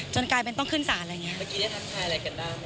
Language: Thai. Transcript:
กลายเป็นต้องขึ้นสารอะไรอย่างนี้เมื่อกี้ได้ทักทายอะไรกันบ้าง